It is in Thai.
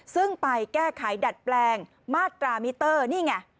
ซึ่งไปแก้ไขดัดแปลงมาตรามิเตอร์นี่ไง